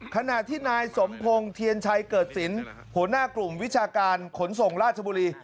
ขณะที่นายสมพงศ์เทียนชัยเกิดสินหัวหน้ากลุ่มวิชาการขนส่งราชบุรี